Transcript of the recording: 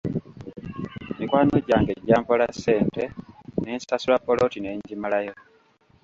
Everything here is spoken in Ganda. Mikwano gyange gyampola ssente ne nsasula ppoloti ne ngimalayo.